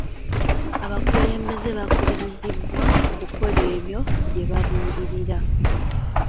Abakulembeze bakubirizibwa okukola ebyo bye babuulirira.